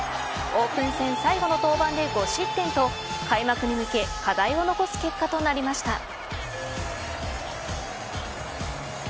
オープン戦最後の登板で５失点と開幕に向け課題を残す結果となりました。